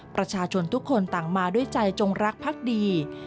ประชาชนทุกคนต่างมาด้วยใจจงรักพักดี